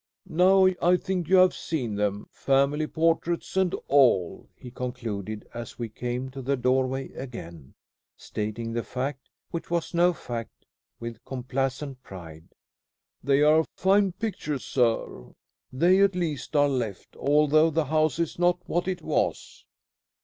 "Now I think you have seen them, family portraits and all," he concluded, as we came to the doorway again; stating the fact, which was no fact, with complacent pride. "They are fine pictures, sir. They, at least, are left, although the house is not what it was."